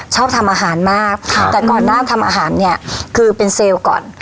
ชอบทำอาหารมากแต่ก่อนหน้าทำอาหารเนี่ยคือเป็นเซลล์ก่อน